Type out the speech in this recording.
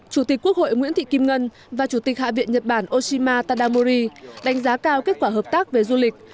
chủ tịch quốc hội nguyễn thị kim ngân và chủ tịch hạ viện nhật bản oshima tadamuri đánh giá cao kết quả hợp tác về du lịch